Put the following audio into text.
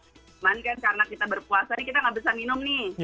cuman kan karena kita berpuasa ini kita nggak bisa minum nih